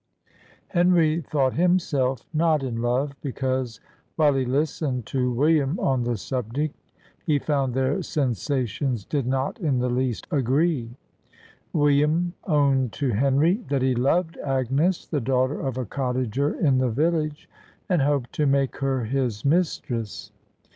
Henry thought himself not in love, because, while he listened to William on the subject, he found their sensations did not in the least agree. William owned to Henry that he loved Agnes, the daughter of a cottager in the village, and hoped to make her his mistress.